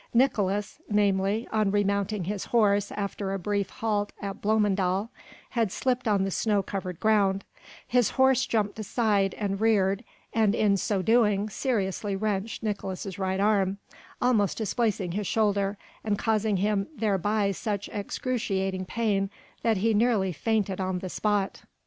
Nicolaes, namely, on remounting his horse after a brief halt at Bloemendal, had slipped on the snow covered ground; his horse jumped aside and reared and, in so doing, seriously wrenched Nicolaes' right arm, almost dislocating his shoulder and causing him thereby such excruciating pain that he nearly fainted on the spot.